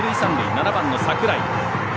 ７番の櫻井。